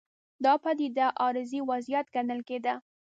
دا پدیده عارضي وضعیت ګڼل کېده.